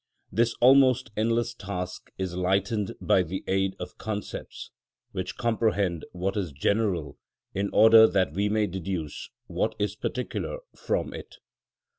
This almost endless task is lightened by the aid of concepts, which comprehend what is general in order that we may deduce what is particular from it.